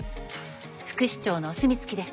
副市長のお墨付きです。